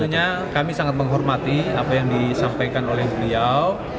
tentunya kami sangat menghormati apa yang disampaikan oleh beliau